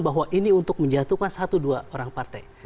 bahwa ini untuk menjatuhkan satu dua orang partai